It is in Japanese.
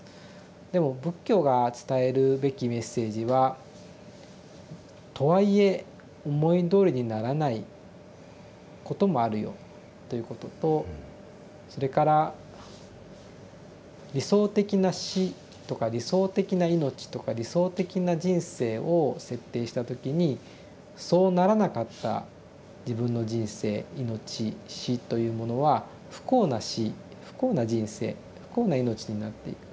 でも仏教が伝えるべきメッセージは「とはいえ思いどおりにならないこともあるよ」ということとそれから理想的な死とか理想的な命とか理想的な人生を設定した時にそうならなかった自分の人生命死というものは不幸な死不幸な人生不幸な命になっていく。